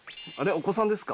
お子さんですか？